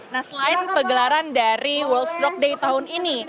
nah selain pegelaran dari world stroke day tahun ini